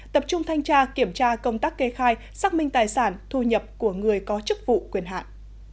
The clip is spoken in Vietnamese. tập trung thanh tra kiểm tra công tác kê khai xác minh tài sản thu nhập của người có chức vụ quyền hạn